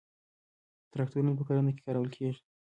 تراکتورونه په کرنه کې کارول کیږي.